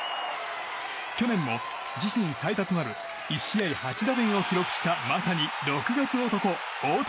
去年も自身最多となる１試合８打点を記録したまさに６月男、大谷。